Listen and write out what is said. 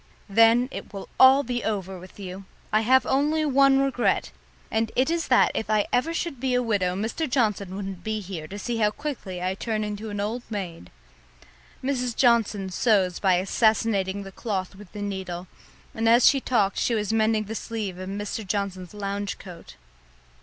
Then it will be all over with you. I have only one regret; and it is that if I ever should be a widow Mr. Johnson wouldn't be here to see how quickly I turned into an old maid." Mrs. Johnson sews by assassinating the cloth with the needle, and as she talked she was mending the sleeve of Mr. Johnson's lounge coat.